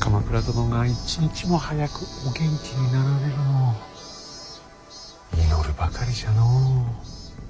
鎌倉殿が一日も早くお元気になられるのを祈るばかりじゃのう。